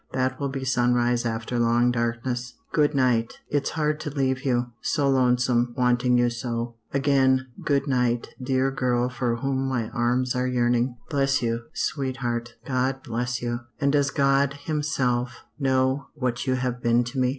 That will be sunrise after long darkness. "Good night. It's hard to leave you so lonesome wanting you so. Again, good night, dear girl for whom my arms are yearning. Bless you, sweetheart God bless you and does God, Himself, know what you have been to me?"